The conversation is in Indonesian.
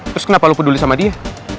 terus kenapa lo peduli sama dia